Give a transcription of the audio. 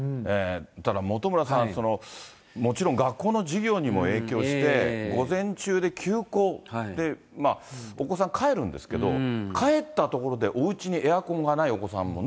だから本村さん、もちろん学校の授業にも影響して、午前中で休校で、お子さん、帰るんですけど、帰ったところでおうちにエアコンがないお子さんもね。